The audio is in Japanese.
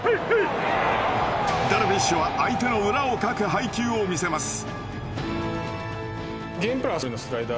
ダルビッシュは相手の裏をかく配球を見せます。